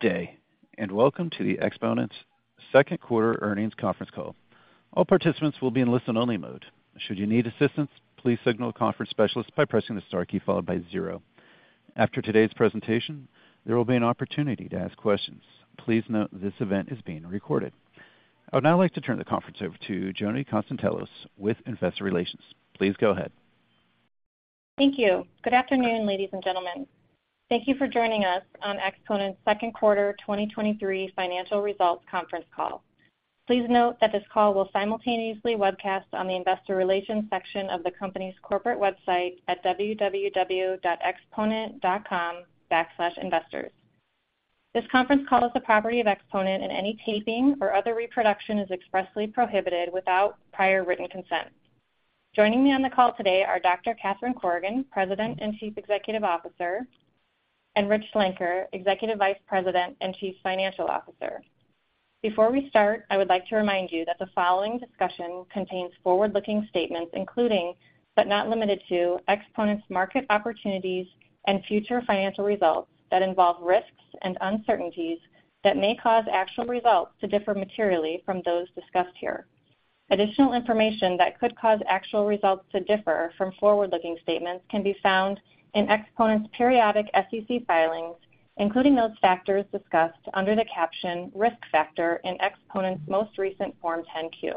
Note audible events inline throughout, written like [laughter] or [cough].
Good day, and welcome to the Exponent's Q2 Earnings Conference Call. All participants will be in listen-only mode. Should you need assistance, please signal the conference specialist by pressing the star key followed by zero. After today's presentation, there will be an opportunity to ask questions. Please note this event is being recorded. I would now like to turn the conference over to Joni Konstantelos with Investor Relations. Please go ahead. Thank you. Good afternoon, ladies and gentlemen. Thank you for joining us on Exponent's Q2 2023 financial results conference call. Please note that this call will simultaneously webcast on the investor relations section of the company's corporate website at www.exponent.com/investors. This conference call is the property of Exponent, and any taping or other reproduction is expressly prohibited without prior written consent. Joining me on the call today are Dr. Catherine Corrigan, President and Chief Executive Officer, and Rich Schlenker, Executive Vice President and Chief Financial Officer. Before we start, I would like to remind you that the following discussion contains forward-looking statements, including, but not limited to, Exponent's market opportunities and future financial results, that involve risks and uncertainties that may cause actual results to differ materially from those discussed here. Additional information that could cause actual results to differ from forward-looking statements can be found in Exponent's periodic SEC filings, including those factors discussed under the caption Risk Factor in Exponent's most recent Form 10-Q.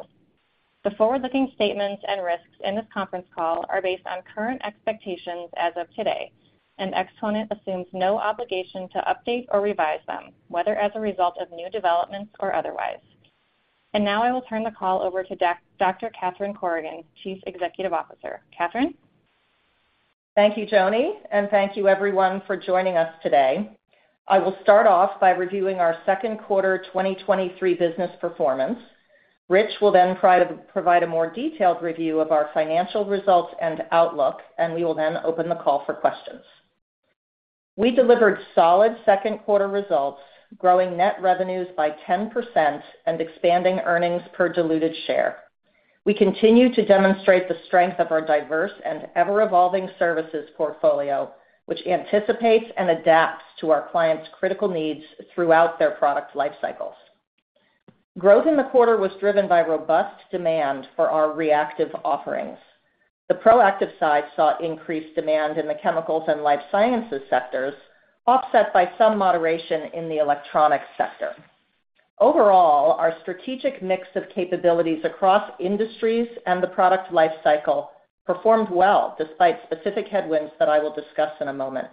The forward-looking statements and risks in this conference call are based on current expectations as of today, Exponent assumes no obligation to update or revise them, whether as a result of new developments or otherwise. Now I will turn the call over to Dr. Catherine Corrigan, Chief Executive Officer. Catherine? Thank you, Joni, thank you everyone for joining us today. I will start off by reviewing our Q2 2023 business performance. Rich will then try to provide a more detailed review of our financial results and outlook. We will then open the call for questions. We delivered solid Q2 results, growing net revenues by 10% and expanding earnings per diluted share. We continue to demonstrate the strength of our diverse and ever-evolving services portfolio, which anticipates and adapts to our clients' critical needs throughout their product life cycles. Growth in the quarter was driven by robust demand for our reactive offerings. The proactive side saw increased demand in the chemicals and life sciences sectors, offset by some moderation in the electronics sector. Overall, our strategic mix of capabilities across industries and the product life cycle performed well, despite specific headwinds that I will discuss in a moment.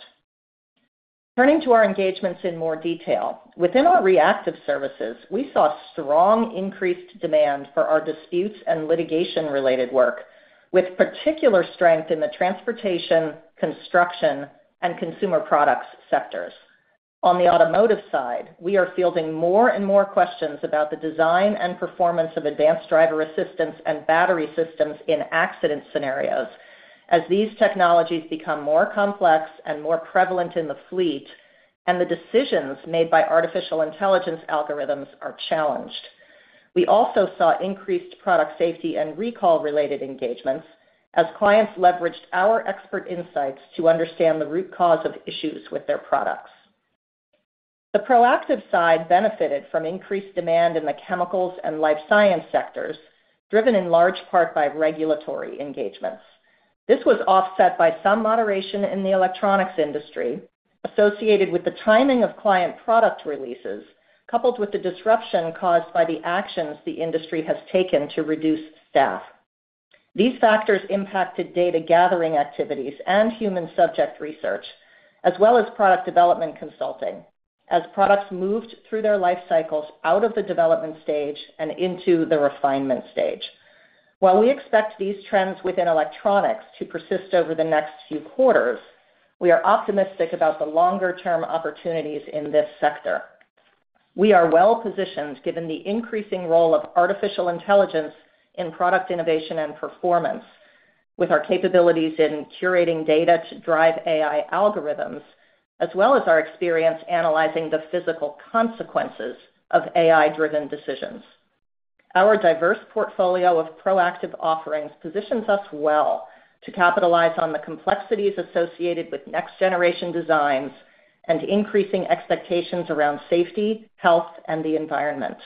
Turning to our engagements in more detail, within our reactive services, we saw strong increased demand for our disputes and litigation-related work, with particular strength in the transportation, construction, and consumer products sectors. On the automotive side, we are fielding more and more questions about the design and performance of advanced driver-assistance and battery systems in accident scenarios, as these technologies become more complex and more prevalent in the fleet, and the decisions made by artificial intelligence algorithms are challenged. We also saw increased product safety and recall-related engagements as clients leveraged our expert insights to understand the root cause of issues with their products. The proactive side benefited from increased demand in the chemicals and life science sectors, driven in large part by regulatory engagements. This was offset by some moderation in the electronics industry, associated with the timing of client product releases, coupled with the disruption caused by the actions the industry has taken to reduce staff. These factors impacted data gathering activities and human subject research, as well as product development consulting, as products moved through their life cycles out of the development stage and into the refinement stage. While we expect these trends within electronics to persist over the next few quarters, we are optimistic about the longer-term opportunities in this sector. We are well positioned, given the increasing role of artificial intelligence in product innovation and performance, with our capabilities in curating data to drive AI algorithms, as well as our experience analyzing the physical consequences of AI-driven decisions. Our diverse portfolio of proactive offerings positions us well to capitalize on the complexities associated with next-generation designs and increasing expectations around safety, health, and the environment.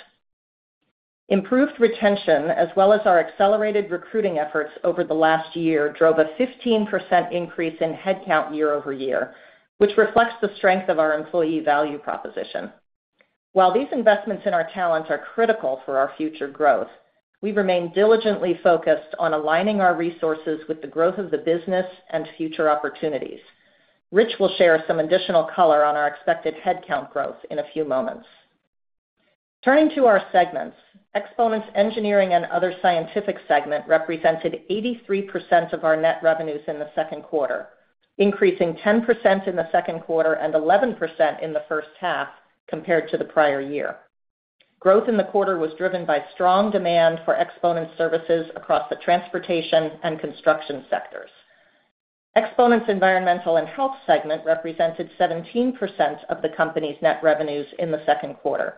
Improved retention, as well as our accelerated recruiting efforts over the last year, drove a 15% increase in headcount year-over-year, which reflects the strength of our employee value proposition. While these investments in our talents are critical for our future growth, we remain diligently focused on aligning our resources with the growth of the business and future opportunities. Rich will share some additional color on our expected headcount growth in a few moments. Turning to our segments, Exponent's engineering and other scientific segment represented 83% of our net revenues in the Q2, increasing 10% in the Q2 and 11% in the first half compared to the prior year. Growth in the quarter was driven by strong demand for Exponent services across the transportation and construction sectors. Exponent's environmental and health segment represented 17% of the company's net revenues in the Q2.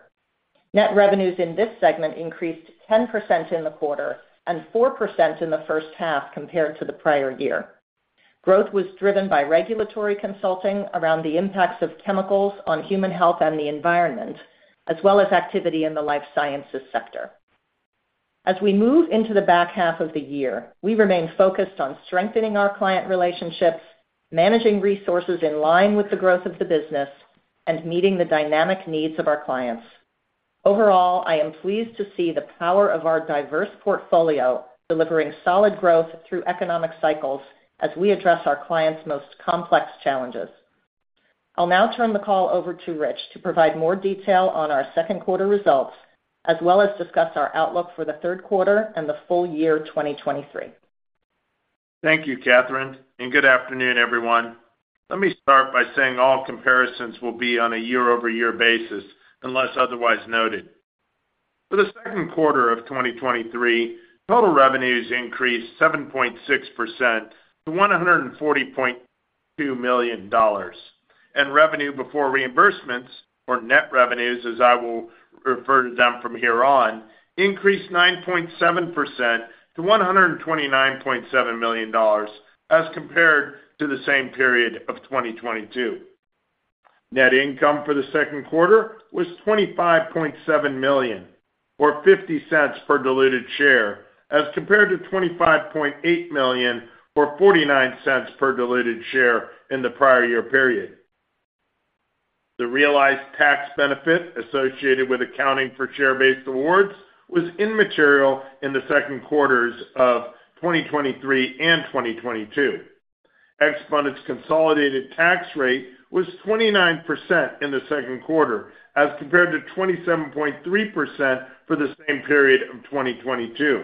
Net revenues in this segment increased 10% in the quarter and 4% in the first half compared to the prior year. Growth was driven by regulatory consulting around the impacts of chemicals on human health and the environment, as well as activity in the life sciences sector. As we move into the back half of the year, we remain focused on strengthening our client relationships, managing resources in line with the growth of the business, and meeting the dynamic needs of our clients. Overall, I am pleased to see the power of our diverse portfolio delivering solid growth through economic cycles as we address our clients' most complex challenges. I'll now turn the call over to Rich to provide more detail on our Q2 results, as well as discuss our outlook for the third quarter and the full year 2023. Thank you, Catherine, and good afternoon, everyone. Let me start by saying all comparisons will be on a year-over-year basis, unless otherwise noted. For the Q2 of 2023, total revenues increased 7.6% to $140.2 million, and revenue before reimbursements, or net revenues, as I will refer to them from here on, increased 9.7% to $129.7 million, as compared to the same period of 2022. Net income for the Q2 was $25.7 million or $0.50 per diluted share, as compared to $25.8 million or $0.49 per diluted share in the prior year period. The realized tax benefit associated with accounting for share-based awards was immaterial in the Q2s of 2023 and 2022. Exponent's consolidated tax rate was 29% in the Q2, as compared to 27.3% for the same period of 2022.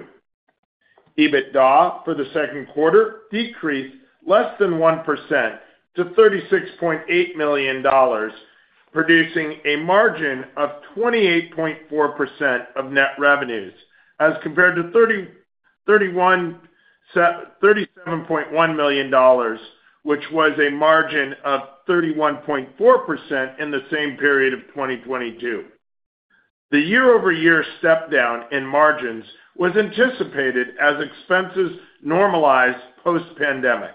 EBITDA for the Q2 decreased less than 1% to $36.8 million, producing a margin of 28.4% of net revenues, as compared to $37.1 million, which was a margin of 31.4% in the same period of 2022. The year-over-year step down in margins was anticipated as expenses normalized post-pandemic.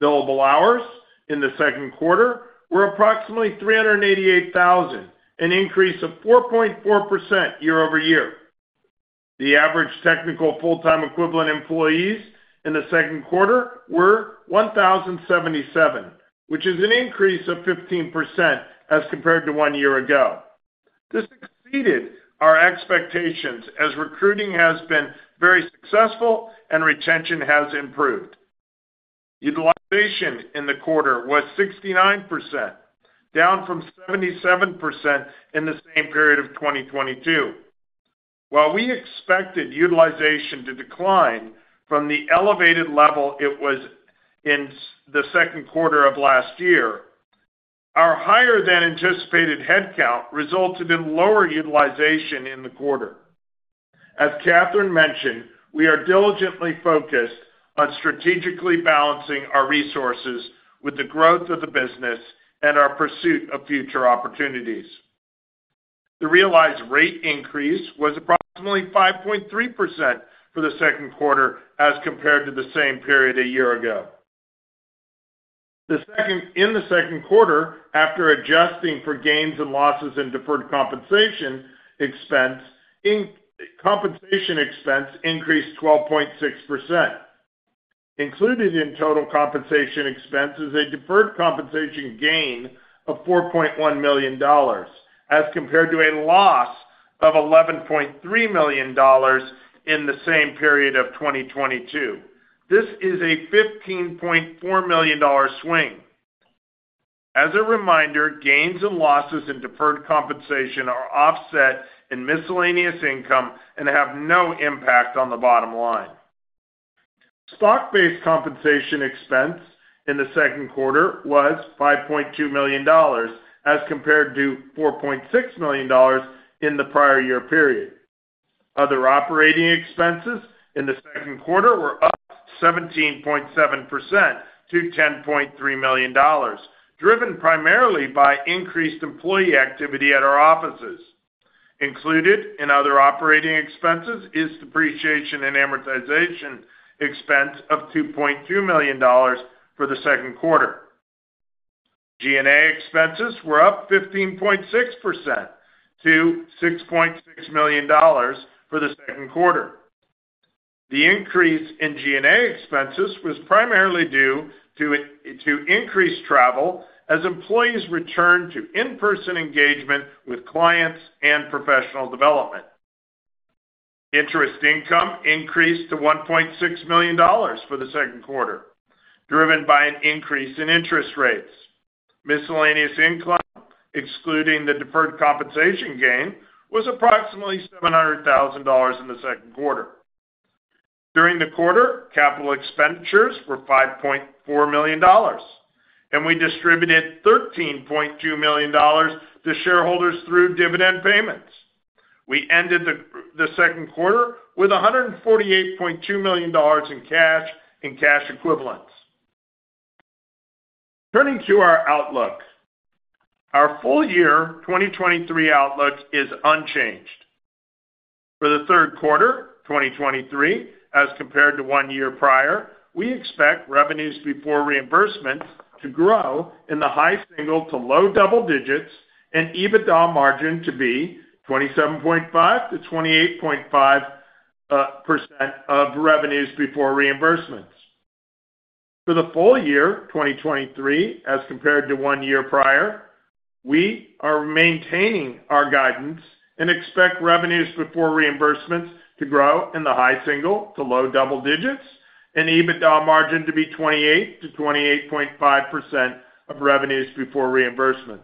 Billable hours in the Q2 were approximately 388,000, an increase of 4.4% year-over-year. The average technical full-time equivalent employees in the Q2 were 1,077, which is an increase of 15% as compared to 1 year ago. This exceeded our expectations as recruiting has been very successful and retention has improved. Utilization in the quarter was 69%, down from 77% in the same period of 2022. While we expected utilization to decline from the elevated level it was in the Q2 of last year, our higher-than-anticipated headcount resulted in lower utilization in the quarter. As Catherine mentioned, we are diligently focused on strategically balancing our resources with the growth of the business and our pursuit of future opportunities. The realized rate increase was approximately 5.3% for the Q2 as compared to the same period a year ago. In the Q2, after adjusting for gains and losses in deferred compensation expense, compensation expense increased 12.6%. Included in total compensation expense is a deferred compensation gain of $4.1 million, as compared to a loss of $11.3 million in the same period of 2022. This is a $15.4 million swing. As a reminder, gains and losses in deferred compensation are offset in miscellaneous income and have no impact on the bottom line. Stock-based compensation expense in the Q2 was $5.2 million, as compared to $4.6 million in the prior year period. Other operating expenses in the Q2 were up 17.7% to $10.3 million, driven primarily by increased employee activity at our offices. Included in other operating expenses is depreciation and amortization expense of $2.2 million for the Q2. G&A expenses were up 15.6% to $6.6 million for the Q2. The increase in G&A expenses was primarily due to increased travel as employees returned to in-person engagement with clients and professional development. Interest income increased to $1.6 million for the Q2, driven by an increase in interest rates. Miscellaneous income, excluding the deferred compensation gain, was approximately $700,000 in the Q2. During the quarter, capital expenditures were $5.4 million, and we distributed $13.2 million to shareholders through dividend payments. We ended the Q2 with $148.2 million in cash and cash equivalents. Turning to our outlook. Our full year 2023 outlook is unchanged. For the third quarter 2023, as compared to 1 year prior, we expect revenues before reimbursements to grow in the high single to low double digits, and EBITDA margin to be 27.5%-28.5% of revenues before reimbursements. For the full year 2023, as compared to 1 year prior, we are maintaining our guidance and expect revenues before reimbursements to grow in the high single to low double digits, and EBITDA margin to be 28%-28.5% of revenues before reimbursements.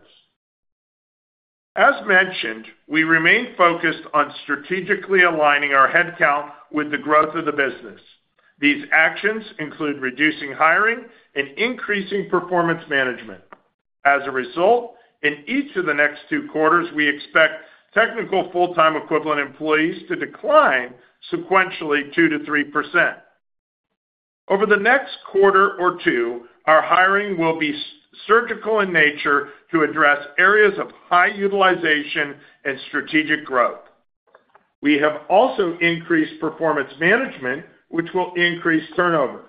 As mentioned, we remain focused on strategically aligning our headcount with the growth of the business. These actions include reducing hiring and increasing performance management. As a result, in each of the next 2 quarters, we expect technical full-time equivalent employees to decline sequentially 2%-3%. Over the next quarter or two, our hiring will be surgical in nature to address areas of high utilization and strategic growth. We have also increased performance management, which will increase turnover.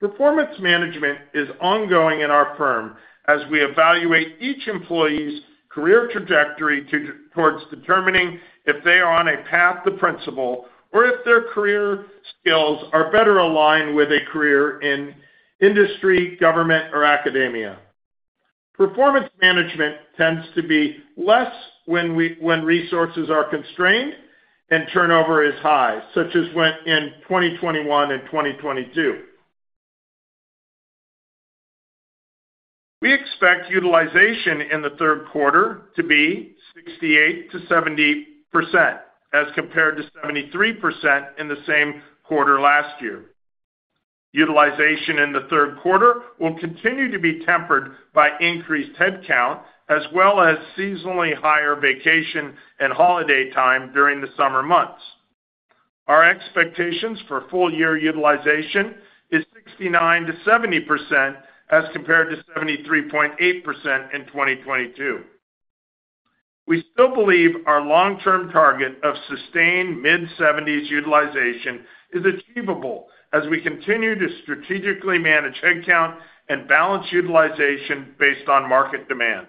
Performance management is ongoing in our firm as we evaluate each employee's career trajectory towards determining if they are on a path to principal or if their career skills are better aligned with a career in industry, government, or academia. Performance management tends to be less when resources are constrained and turnover is high, such as when in 2021 and 2022. We expect utilization in the third quarter to be 68%-70%, as compared to 73% in the same quarter last year. Utilization in the third quarter will continue to be tempered by increased headcount, as well as seasonally higher vacation and holiday time during the summer months. Our expectations for full year utilization is 69%-70%, as compared to 73.8% in 2022. We still believe our long-term target of sustained mid-seventies utilization is achievable as we continue to strategically manage headcount and balance utilization based on market demand.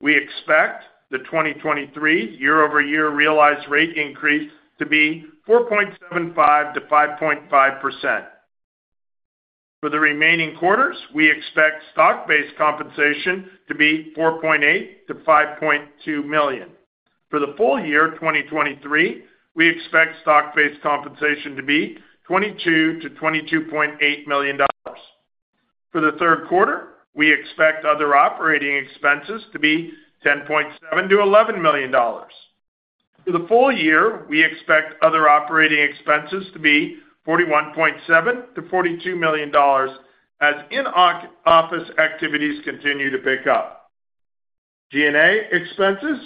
We expect the 2023 year-over-year realized rate increase to be 4.75%-5.5%. For the remaining quarters, we expect stock-based compensation to be $4.8 million-$5.2 million. For the full year 2023, we expect stock-based compensation to be $22 million-$22.8 million. For the third quarter, we expect other operating expenses to be $10.7 million-$11 million. For the full year, we expect other operating expenses to be $41.7 million-$42 million, as in-office activities continue to pick up. G&A expenses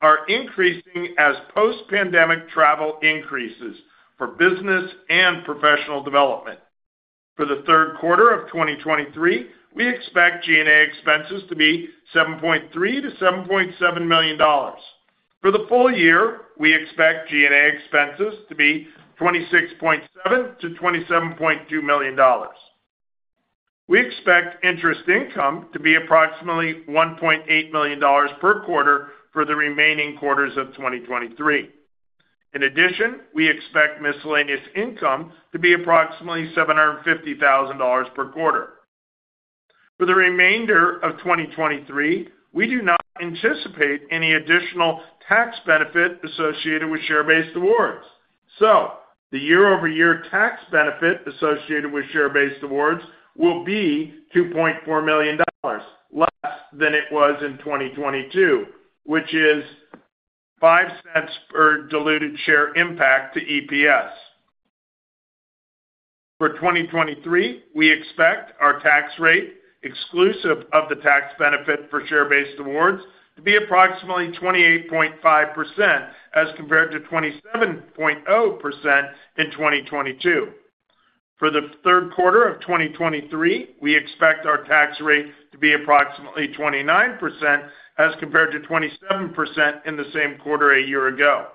are increasing as post-pandemic travel increases for business and professional development. For the third quarter of 2023, we expect G&A expenses to be $7.3 million-$7.7 million. For the full year, we expect G&A expenses to be $26.7 million-$27.2 million. We expect interest income to be approximately $1.8 million per quarter for the remaining quarters of 2023. In addition, we expect miscellaneous income to be approximately $750,000 per quarter. For the remainder of 2023, we do not anticipate any additional tax benefit associated with share-based awards. The year-over-year tax benefit associated with share-based awards will be $2.4 million, less than it was in 2022, which is $0.05 per diluted share impact to EPS. For 2023, we expect our tax rate, exclusive of the tax benefit for share-based awards, to be approximately 28.5%, as compared to 27.0% in 2022. For the Q3 of 2023, we expect our tax rate to be approximately 29%, as compared to 27% in the same quarter a year ago.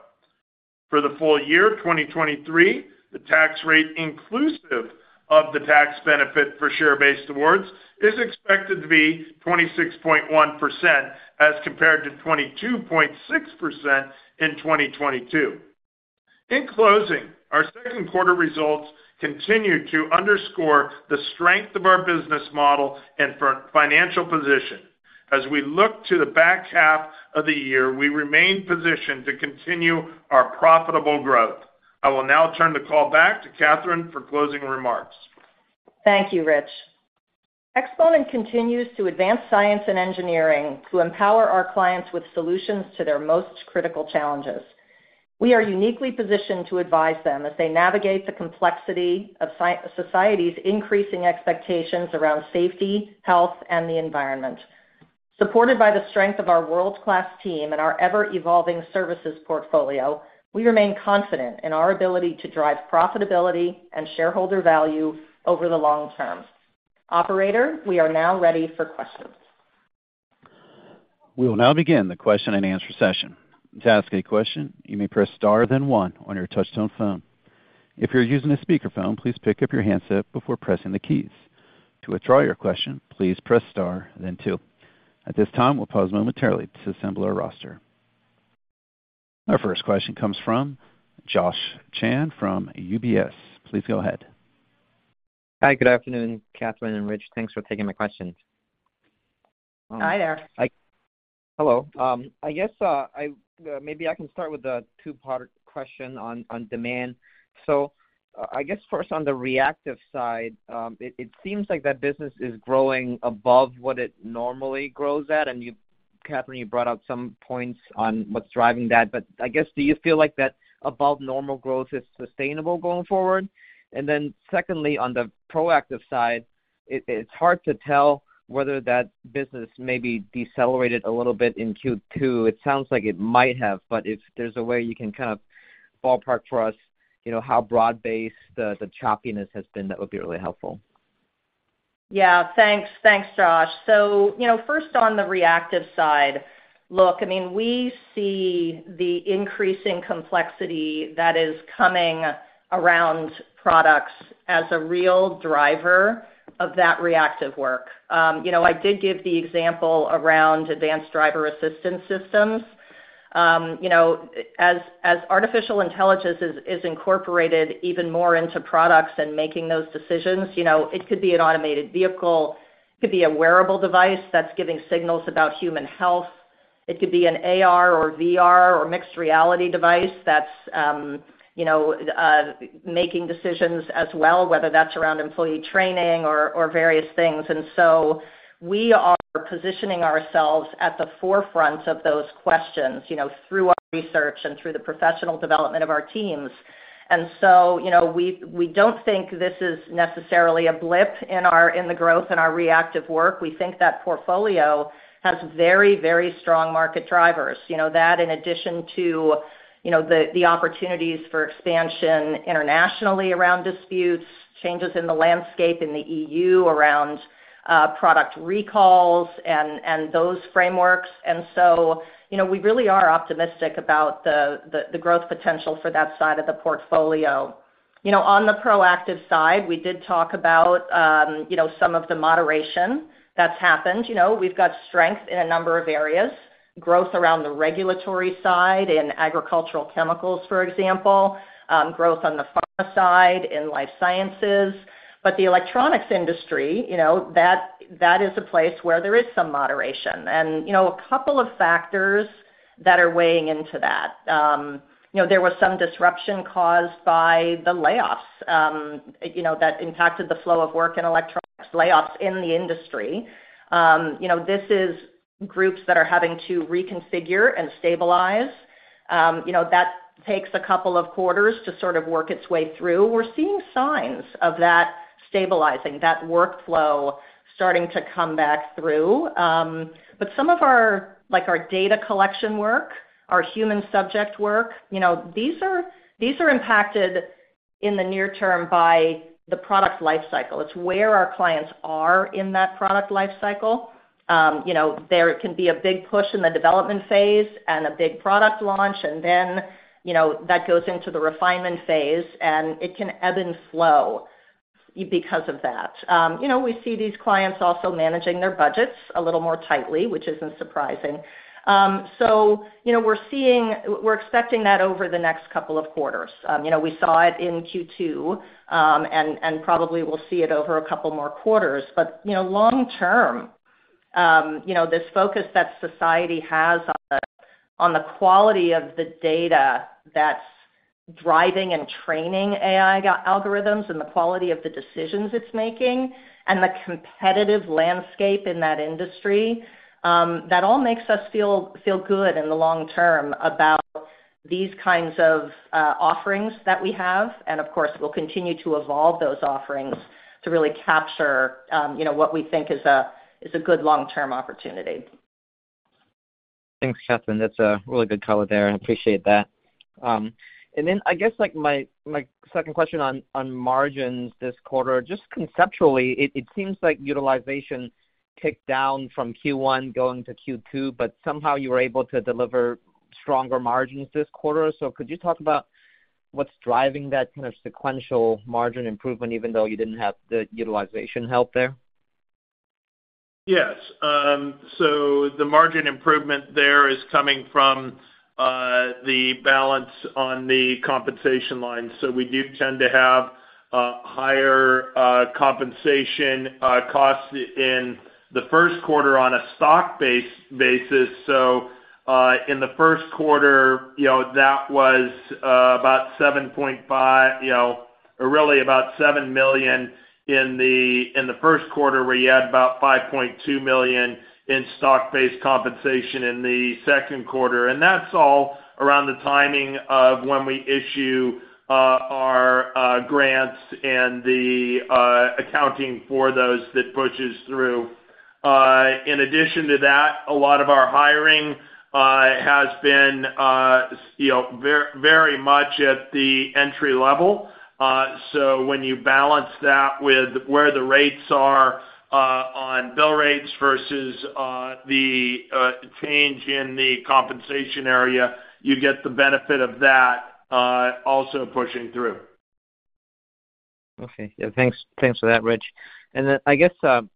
For the full year of 2023, the tax rate inclusive of the tax benefit for share-based awards is expected to be 26.1%, as compared to 22.6% in 2022. In closing, our 2nd quarter results continued to underscore the strength of our business model and financial position. As we look to the back half of the year, we remain positioned to continue our profitable growth. I will now turn the call back to Catherine for closing remarks. Thank you, Rich. Exponent continues to advance science and engineering to empower our clients with solutions to their most critical challenges. We are uniquely positioned to advise them as they navigate the complexity of society's increasing expectations around safety, health, and the environment. Supported by the strength of our world-class team and our ever-evolving services portfolio, we remain confident in our ability to drive profitability and shareholder value over the long term. Operator, we are now ready for questions. We will now begin the question-and-answer session. To ask a question, you may press star, then 1 on your touchtone phone. If you're using a speakerphone, please pick up your handset before pressing the keys. To withdraw your question, please press star then 2. At this time, we'll pause momentarily to assemble our roster. Our first question comes from Joshua Chan from UBS. Please go ahead. Hi, good afternoon, Catherine and Rich. Thanks for taking my questions. Hi there. [crosstalk] Hello. I guess, I, maybe I can start with a two-part question on, on demand. I, I guess first on the reactive side, it, it seems like that business is growing above what it normally grows at, and you, Catherine, you brought out some points on what's driving that, but I guess, do you feel like that above normal growth is sustainable going forward? Secondly, on the proactive side, it, it's hard to tell whether that business maybe decelerated a little bit in Q2. It sounds like it might have, but if there's a way you can kind of ballpark for us, you know, how broad-based the, the choppiness has been, that would be really helpful. Yeah, thanks. Thanks, Josh. You know, first on the reactive side, look, I mean, we see the increasing complexity that is coming around products as a real driver of that reactive work. You know, I did give the example around advanced driver-assistance systems systems. You know, as, as artificial intelligence is, is incorporated even more into products and making those decisions, you know, it could be an automated vehicle, it could be a wearable device that's giving signals about human health. It could be an AR or VR or mixed reality device that's, you know, making decisions as well, whether that's around employee training or, or various things. We are positioning ourselves at the forefront of those questions, you know, through our research and through the professional development of our teams. You know, we, we don't think this is necessarily a blip in the growth in our reactive work. We think that portfolio has very, very strong market drivers. You know, that in addition to, you know, the, the opportunities for expansion internationally around disputes, changes in the landscape in the EU around product recalls and, and those frameworks. You know, we really are optimistic about the, the, the growth potential for that side of the portfolio. You know, on the proactive side, we did talk about, you know, some of the moderation that's happened. You know, we've got strength in a number of areas, growth around the regulatory side, in agricultural chemicals, for example, growth on the pharma side, in life sciences. The electronics industry, you know, that, that is a place where there is some moderation and, you know, a couple of factors that are weighing into that. You know, there was some disruption caused by the layoffs, you know, that impacted the flow of work in electronics, layoffs in the industry. You know, this is groups that are having to reconfigure and stabilize. You know, that takes a couple of quarters to sort of work its way through. We're seeing signs of that stabilizing, that workflow starting to come back through. But some of our, like, our data collection work, our human subject work, you know, these are, these are impacted in the near term by the product life cycle. It's where our clients are in that product life cycle. You know, there can be a big push in the development phase and a big product launch, and then, you know, that goes into the refinement phase, and it can ebb and flow because of that. You know, we see these clients also managing their budgets a little more tightly, which isn't surprising. You know, we're seeing-- we're expecting that over the next couple of quarters. You know, we saw it in Q2, and, and probably will see it over a couple more quarters. You know, long term, you know, this focus that society has on the, on the quality of the data that's driving and training AI algorithms and the quality of the decisions it's making and the competitive landscape in that industry, that all makes us feel, feel good in the long term about these kinds of offerings that we have. Of course, we'll continue to evolve those offerings to really capture, you know, what we think is a, is a good long-term opportunity. Thanks, Catherine. That's a really good color there, and I appreciate that. I guess, my, my second question on, on margins this quarter. Just conceptually, it, it seems like utilization ticked down from Q1 going to Q2, but somehow you were able to deliver stronger margins this quarter. Could you talk about what's driving that kind of sequential margin improvement, even though you didn't have the utilization help there? Yes. The margin improvement there is coming from the balance on the compensation line. We do tend to have higher compensation costs in the first quarter on a stock-based basis. In the first quarter, you know, that was about $7.5 million, you know, or really about $7 million in the first quarter, where you had about $5.2 million in stock-based compensation in the Q2. That's all around the timing of when we issue our grants and the accounting for those that pushes through. In addition to that, a lot of our hiring has been, you know, very much at the entry level. When you balance that with where the rates are, on bill rates versus, the change in the compensation area, you get the benefit of that, also pushing through. Okay. Yeah, thanks. Thanks for that, Rich.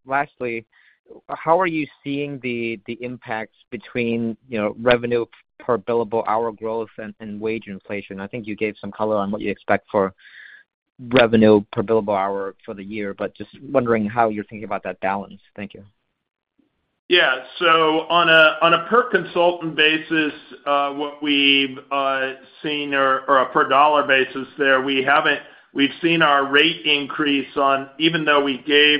Lastly, how are you seeing the, the impacts between, you know, revenue per billable hour growth and, and wage inflation? I think you gave some color on what you expect for revenue per billable hour for the year, but just wondering how you're thinking about that balance. Thank you. Yeah. On a, on a per consultant basis, what we've seen or, or a per dollar basis there, we haven't we've seen our rate increase on. Even though we gave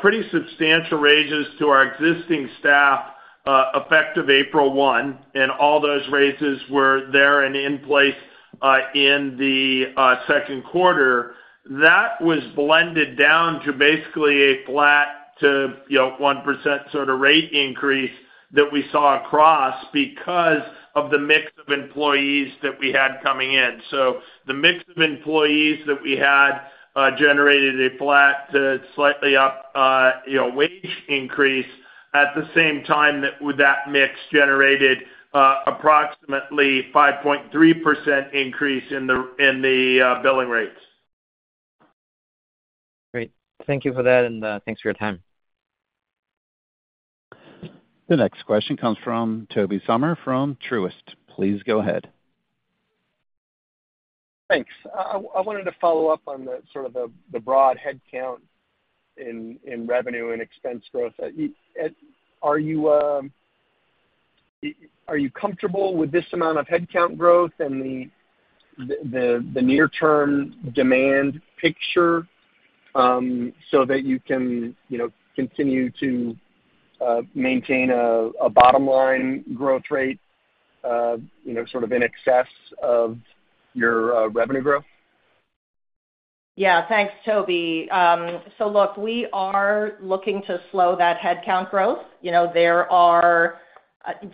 pretty substantial raises to our existing staff, effective April one, and all those raises were there and in place in the Q2, that was blended down to basically a flat to, you know, 1% sort of rate increase that we saw across because of the mix of employees that we had coming in. The mix of employees that we had generated a flat to slightly up, you know, wage increase. At the same time, that with that mix, generated approximately 5.3% increase in the, in the billing rates. Great. Thank you for that, and, thanks for your time. The next question comes from Tobey Sommer from Truist. Please go ahead. Thanks. I, I wanted to follow up on the, sort of, the, the broad headcount in, in revenue and expense growth. Are you comfortable with this amount of headcount growth and the, the, the near-term demand picture, so that you can, you know, continue to maintain a bottom-line growth rate, you know, sort of in excess of your revenue growth? Thanks, Tobey. Look, we are looking to slow that headcount growth. You know, there are,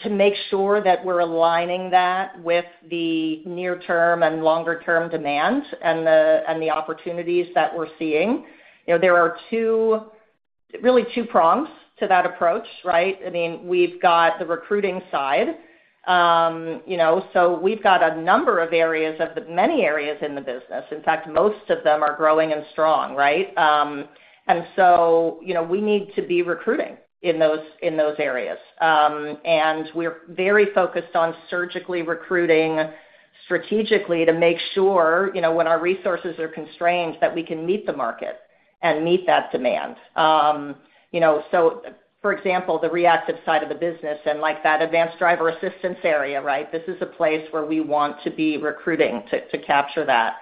to make sure that we're aligning that with the near-term and longer-term demand and the, and the opportunities that we're seeing. You know, there are two, really two prongs to that approach, right? I mean, we've got the recruiting side. You know, we've got a number of areas of the many areas in the business. In fact, most of them are growing and strong, right? You know, we need to be recruiting in those areas. We're very focused on surgically recruiting strategically to make sure, you know, when our resources are constrained, that we can meet the market and meet that demand. You know, for example, the reactive side of the business and like that advanced driver assistance area, right? This is a place where we want to be recruiting to, to capture that.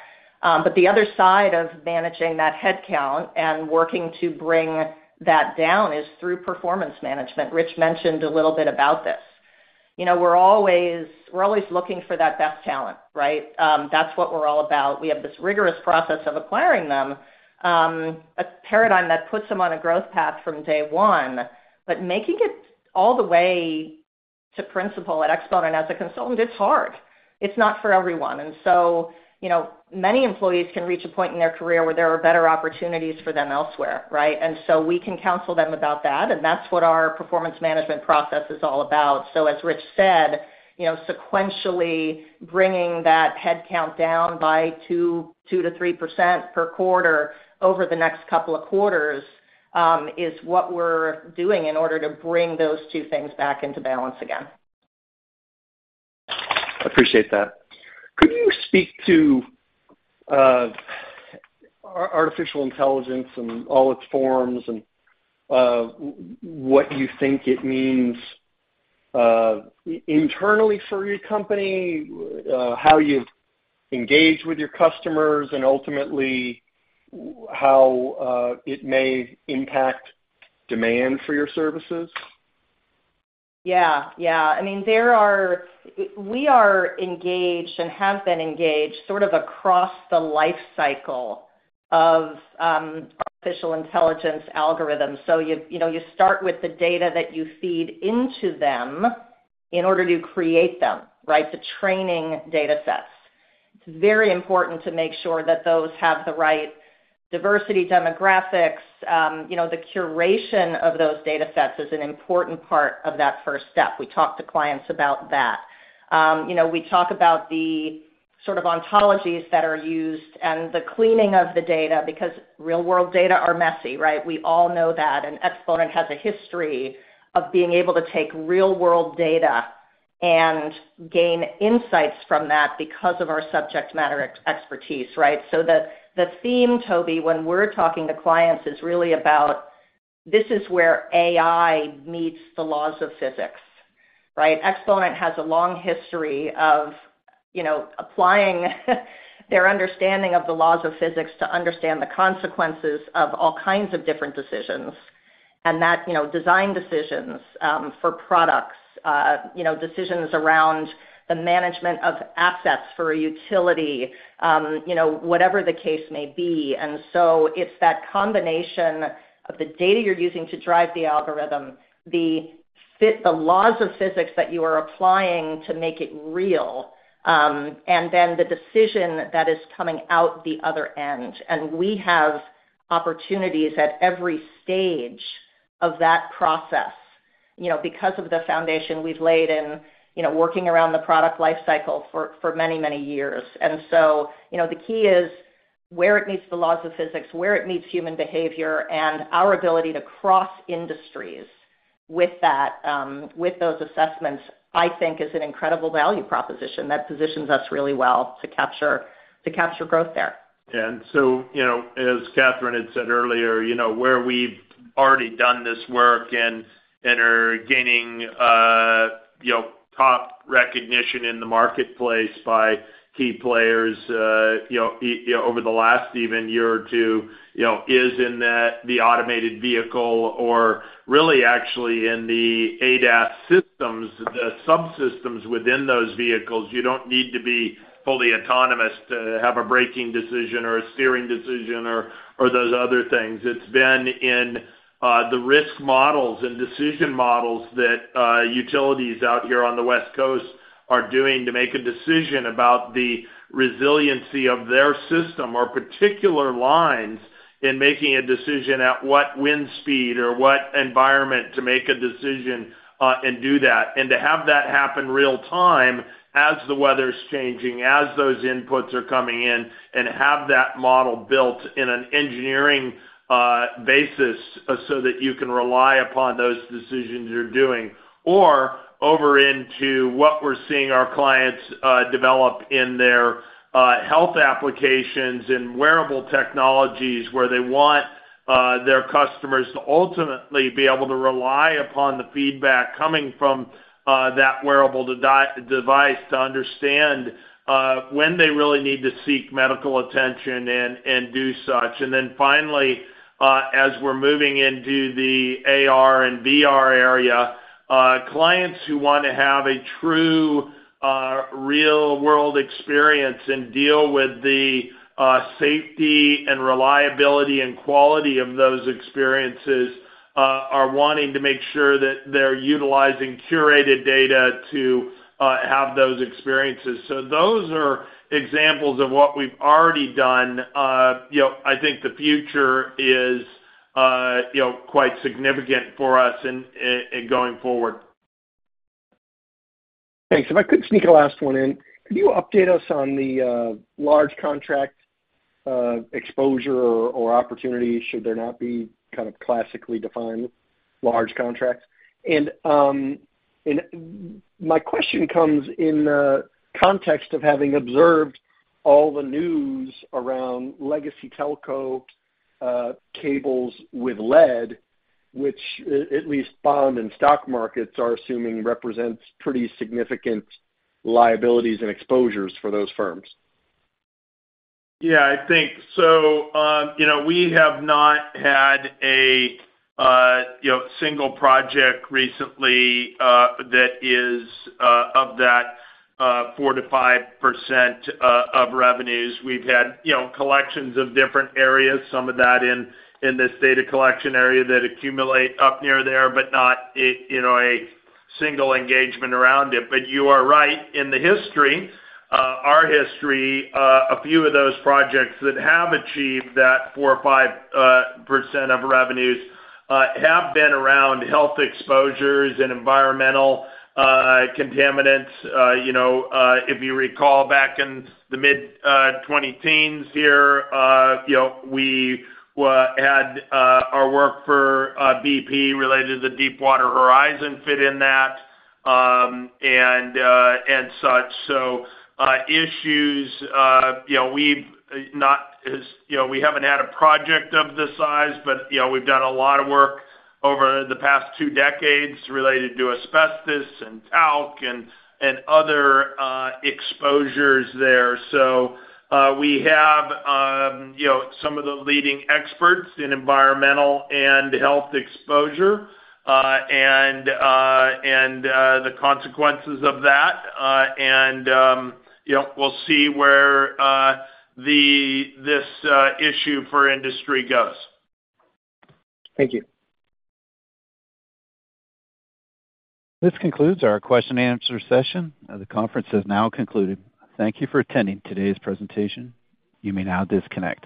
The other side of managing that headcount and working to bring that down is through performance management. Rich mentioned a little bit about this. You know, we're always, we're always looking for that best talent, right? That's what we're all about. We have this rigorous process of acquiring them, a paradigm that puts them on a growth path from day one. Making it all the way to principal at Exponent as a consultant, it's hard. It's not for everyone. You know, many employees can reach a point in their career where there are better opportunities for them elsewhere, right? We can counsel them about that, and that's what our performance management process is all about. As Rich said, you know, sequentially bringing that headcount down by 2, 2-3% per quarter over the next couple of quarters, is what we're doing in order to bring those two things back into balance again. Appreciate that. Could you speak to artificial intelligence in all its forms and what you think it means internally for your company, how you engage with your customers, and ultimately, how it may impact demand for your services? Yeah. Yeah. I mean, there are... We are engaged and have been engaged sort of across the life cycle of artificial intelligence algorithms. You, you know, you start with the data that you feed into them in order to create them, right? The training datasets. It's very important to make sure that those have the right diversity, demographics, you know, the curation of those datasets is an important part of that first step. We talk to clients about that. You know, we talk about the sort of ontologies that are used and the cleaning of the data, because real-world data are messy, right? We all know that, Exponent has a history of being able to take real-world data and gain insights from that because of our subject matter expertise, right? The, the theme, Toby, when we're talking to clients, is really about, this is where AI meets the laws of physics, right? Exponent has a long history of, you know, applying their understanding of the laws of physics to understand the consequences of all kinds of different decisions. That, you know, design decisions, for products, you know, decisions around the management of assets for a utility, you know, whatever the case may be. It's that combination of the data you're using to drive the algorithm, fit the laws of physics that you are applying to make it real, and then the decision that is coming out the other end. We have opportunities at every stage of that process, you know, because of the foundation we've laid in, you know, working around the product life cycle for, for many, many years. You know, the key is where it meets the laws of physics, where it meets human behavior, and our ability to cross industries with that, with those assessments, I think is an incredible value proposition that positions us really well to capture, to capture growth there. You know, as Catherine had said earlier, you know, where we've already done this work and, and are gaining, you know, top recognition in the marketplace by key players, you know, over the last even year or two, you know, is in the, the automated vehicle or really actually in the ADAS systems, the subsystems within those vehicles. You don't need to be fully autonomous to have a braking decision or a steering decision or, or those other things. It's been in the risk models and decision models that utilities out here on the West Coast are doing to make a decision about the resiliency of their system, or particular lines in making a decision at what wind speed or what environment to make a decision, and do that. To have that happen real time as the weather's changing, as those inputs are coming in, and have that model built in an engineering basis so that you can rely upon those decisions you're doing. Over into what we're seeing our clients develop in their health applications and wearable technologies, where they want their customers to ultimately be able to rely upon the feedback coming from that wearable device to understand when they really need to seek medical attention and, and do such. Then finally, as we're moving into the AR and VR area, clients who want to have a true real-world experience and deal with the safety and reliability and quality of those experiences, are wanting to make sure that they're utilizing curated data to have those experiences. Those are examples of what we've already done. You know, I think the future is, you know, quite significant for us in in going forward. Thanks. If I could sneak a last one in, could you update us on the large contract exposure or, or opportunity, should there not be kind of classically defined large contracts? My question comes in the context of having observed all the news around legacy telco cables with lead, which at least bond and stock markets are assuming represents pretty significant liabilities and exposures for those firms. Yeah, I think so, you know, we have not had a, you know, single project recently, that is, of that 4%-5% of revenues. We've had, you know, collections of different areas, some of that in, in this data collection area, that accumulate up near there, but not a, you know, a single engagement around it. But you are right, in the history, our history, a few of those projects that have achieved that 4% or 5% of revenues, have been around health exposures and environmental contaminants. You know, if you recall, back in the mid-2010s here, you know, we had our work for BP related to the Deepwater Horizon fit in that, and such. Issues, you know, we've, you know, we haven't had a project of this size, but, you know, we've done a lot of work over the past two decades related to asbestos and talc and, and other exposures there. We have, you know, some of the leading experts in environmental and health exposure, and, and, the consequences of that, and, you know, we'll see where this issue for industry goes. Thank you. This concludes our question and answer session. The conference has now concluded. Thank you for attending today's presentation. You may now disconnect.